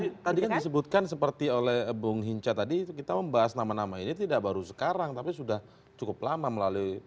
tapi tadi kan disebutkan seperti oleh bung hinca tadi kita membahas nama nama ini tidak baru sekarang tapi sudah cukup lama melalui